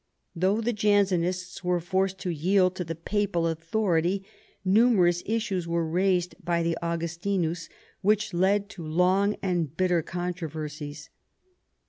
Though the Jansenists were forced to yield to the papal authority, numerous issues were raised by the Augustinus which led to long and bitter controversies.